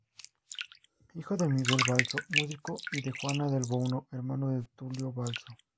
Hijo de Miguel Balzo, músico y de Juana del Buono, hermano de Tulio Balzo.